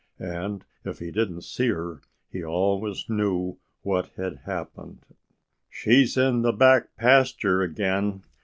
And if he didn't see her he always knew what had happened. "She's in the back pasture again!"